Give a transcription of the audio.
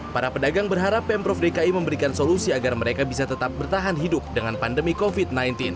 para pedagang berharap pemprov dki memberikan solusi agar mereka bisa tetap bertahan hidup dengan pandemi covid sembilan belas